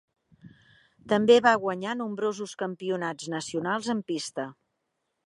També va guanyar nombrosos campionats nacionals en pista.